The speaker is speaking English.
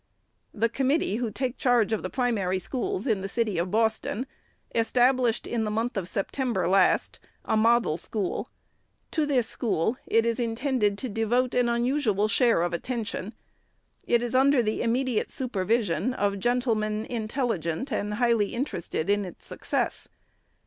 ' The committee who take charge of the Primary Schools in the city of Boston, established, in the month of Septem ber last, a " Model School." To this school it is intended to devote an unusual share of attention. It is under the immediate supervision of gentlemen, intelligent and highly interested in its success.